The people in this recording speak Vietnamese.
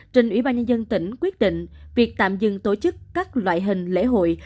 trên ủy ban nhân dân tỉnh quyết định việc tạm dừng tổ chức các loại hình lễ hội